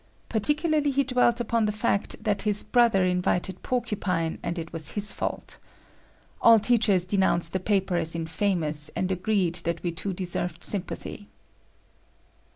Particularly he dwelt upon the fact that his brother invited Porcupine and it was his fault. All teachers denounced the paper as infamous and agreed that we two deserved sympathy.